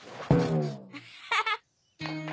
アハハハ！